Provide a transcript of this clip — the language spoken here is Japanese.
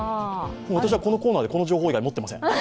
私はこのコーナーでこの情報以外で持ってません。